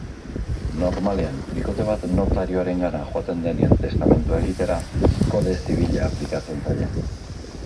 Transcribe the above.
Normalean bikote bat notarioarengana joaten denean testamentua egitera, kode zibila aplikatzen zaie.